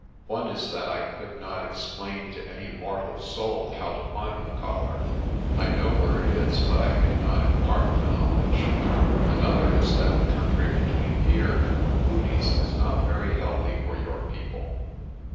"One is that I could not explain to any mortal soul how to find the collar. I know where it is but I could not impart the knowledge. Another is that the country between here and Machudi's is not very healthy for your people.